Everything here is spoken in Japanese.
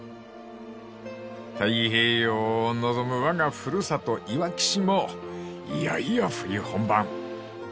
［太平洋を望むわが古里いわき市もいよいよ冬本番］